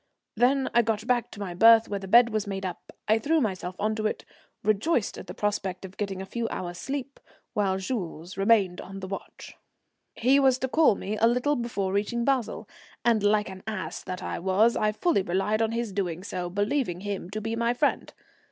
Then I got back to my berth, where the bed was made. I threw myself on to it, rejoiced at the prospect of getting a few hours' sleep while Jules remained on the watch. He was to call me a little before reaching Basle, and, like an ass that I was, I fully relied on his doing so, believing him to be my friend.